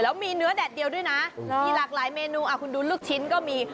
แล้วมีเนื้อแดดเดียวด้วยนะมีหลากหลายเมนูคุณดูลูกชิ้นก็มี